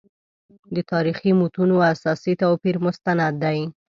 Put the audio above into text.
د تاریخي متونو اساسي توپیر مستند دی.